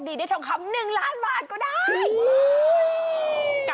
ไม่ใช่ผมคนหนึ่งแล้วล่ะค่ะไม่ใช่คุณล่ะค่ะ